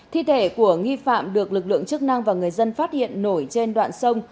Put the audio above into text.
thi thể của nghi phạm được lực lượng chức năng và người dân phát hiện nổi trên đoạn sông